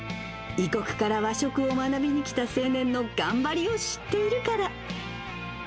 異国から和食を学びに来た青年の頑張りを知っているから。